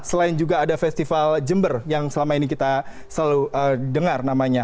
selain juga ada festival jember yang selama ini kita selalu dengar namanya